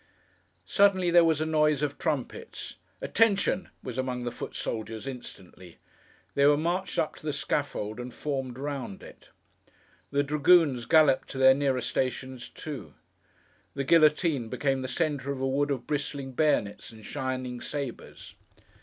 Suddenly, there was a noise of trumpets. 'Attention!' was among the foot soldiers instantly. They were marched up to the scaffold and formed round it. The dragoons galloped to their nearer stations too. The guillotine became the centre of a wood of bristling bayonets and shining sabres.